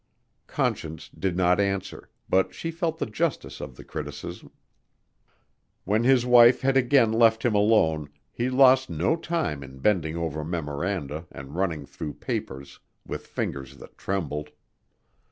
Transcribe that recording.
Conscience did not answer, but she felt the justice of the criticism. When his wife had again left him alone he lost no time in bending over memoranda and running through papers with fingers that trembled.